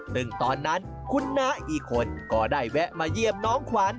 ซึ่งตอนนั้นคุณน้าอีกคนก็ได้แวะมาเยี่ยมน้องขวัญ